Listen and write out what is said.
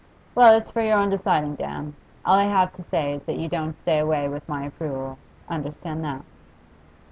'Well, it's for your own deciding, Dan. All I have to say is that you don't stay away with my approval. Understand that.